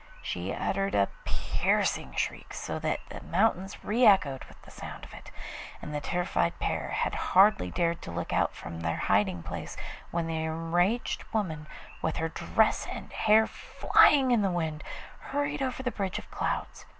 She uttered a piercing shriek so that the mountains re echoed with the sound of it, and the terrified pair had hardly dared to look out from their hiding place when the enraged woman, with her dress and hair flying in the wind, hurried over the bridge of clouds.